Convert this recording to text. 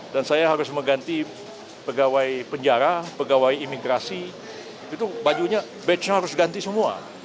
dan saya harus mengganti pegawai penjara pegawai imigrasi itu bajunya harus ganti semua